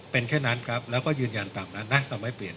เป็นแค่นั้นครับแล้วก็ยืนยันตามนั้นนะแต่ไม่เปลี่ยน